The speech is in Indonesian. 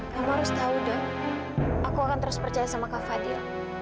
kamu harus tahu dong aku akan terus percaya sama kak fadil